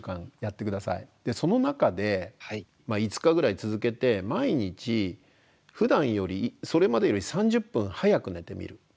その中で５日ぐらい続けて毎日ふだんよりそれまでより３０分早く寝てみる。